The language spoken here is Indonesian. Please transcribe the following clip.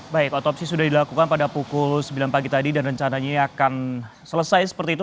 baik otopsi sudah dilakukan pada pukul sembilan pagi tadi dan rencananya akan selesai seperti itu